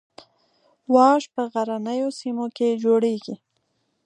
واش په غرنیو سیمو کې جوړیږي